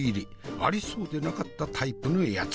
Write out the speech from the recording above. ありそうでなかったタイプのやつ。